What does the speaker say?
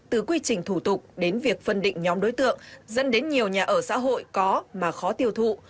từ quy trình thủ tục đến việc phân định nhóm đối tượng dẫn đến nhiều nhà ở xã hội có mà khó tiêu thụ